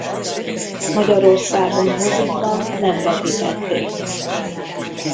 Magyarországon mozikban nem vetítették.